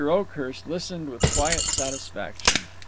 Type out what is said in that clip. Oakhurst listened with quiet satisfaction.